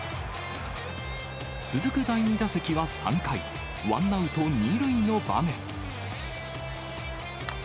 続く第２打席は３回、ワンアウト２塁の場面。